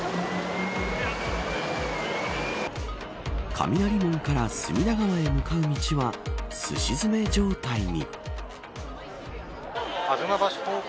雷門から隅田川へ向かう道はすし詰め状態に。